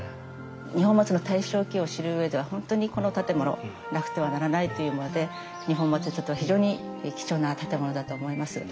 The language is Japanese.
二本松の大正期を知る上では本当にこの建物なくてはならないというもので二本松にとっては非常に貴重な建物だと思います。